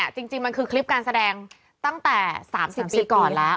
จริงมันคือคลิปการแสดงตั้งแต่๓๐ปีก่อนแล้ว